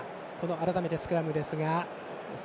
改めて、スクラムですが。